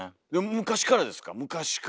昔からですね。